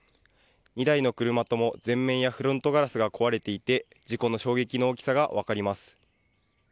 ２台の車とも前面やフロントガラスが壊れていて事故の衝撃の大きさが分かります。